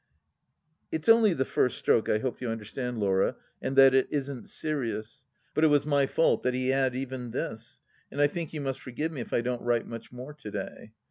It's only the first stroke, I hope you understand, Laura, and that it isn't serious. But it was my fault that he had even this, and I think you must forgive me if I don't write much more to day.